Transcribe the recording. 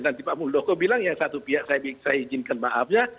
nanti pak muldoko bilang yang satu pihak saya izinkan maafnya